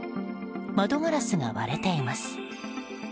窓ガラスが割れています。